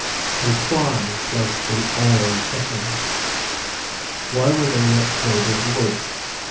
And why placed in IRON kettles? Why were they not made of wood?